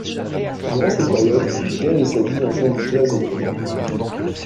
Durant cette période, il gagne sa vie en jouant du jazz au piano.